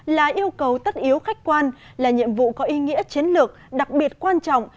là yêu cầu tất yếu khách quan là nhiệm vụ có ý nghĩa chiến lược đặc biệt quan trọng